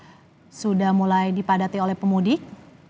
apakah sudah mulai dipadati oleh pemudik